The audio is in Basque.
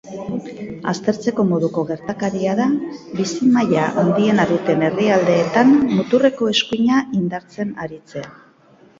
Aztertzeko moduko gertakaria da bizi-maila handiena duten herrialdeetan muturreko eskuina indartzen aritzea.